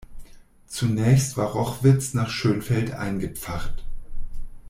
Zunächst war Rochwitz nach Schönfeld eingepfarrt.